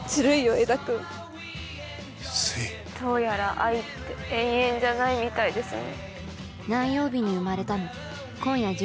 江田君すいどうやら愛って永遠じゃないみたいですね